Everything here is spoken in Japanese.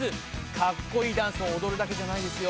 かっこいいダンスを踊るだけじゃないですよ。